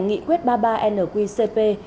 nghị quyết ba mươi ba nqcp